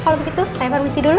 kalau begitu saya baru isi dulu